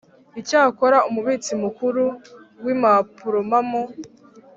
Icyakora Umubitsi Mukuru w Impapurompamo